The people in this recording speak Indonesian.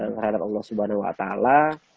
terhadap allah subhanahu wa ta'ala